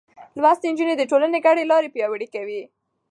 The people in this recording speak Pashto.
لوستې نجونې د ټولنې ګډې لارې پياوړې کوي.